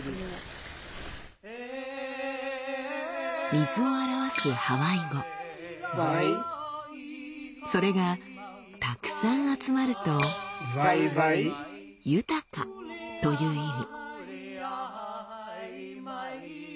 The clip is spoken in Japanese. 水を表すハワイ語それがたくさん集まると「豊か」という意味。